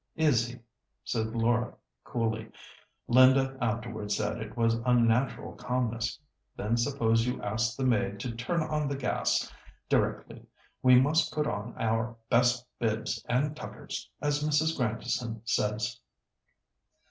"Is he?" said Laura, coolly. Linda afterwards said it was "unnatural calmness." "Then suppose you ask the maid to turn on the gas directly. We must put on our best bibs and tuckers, as Mrs. Grandison says."